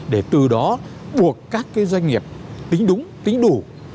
để từ đó buộc các doanh nghiệp tính đúng tính đủ